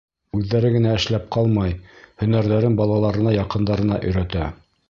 Үҙҙәре генә эшләп ҡалмай, һөнәрҙәрен балаларына, яҡындарына өйрәтә.